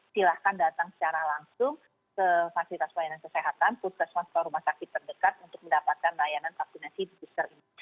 silahkan datang secara langsung ke fasilitas pelayanan kesehatan puskesmas atau rumah sakit terdekat untuk mendapatkan layanan vaksinasi booster ini